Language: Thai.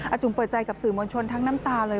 จุ๋มเปิดใจกับสื่อมวลชนทั้งน้ำตาเลย